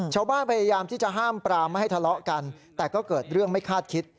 พยายามที่จะห้ามปรามไม่ให้ทะเลาะกันแต่ก็เกิดเรื่องไม่คาดคิด